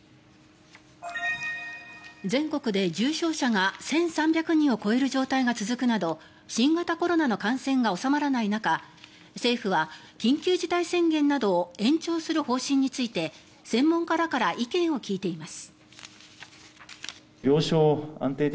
全国で重症者が１３００人を超える状態が続くなど新型コロナの感染が収まらない中政府は緊急事態宣言などを延長する方針について専門家らから意見を聞いています。